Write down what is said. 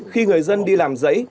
khi người dân đi làm giấy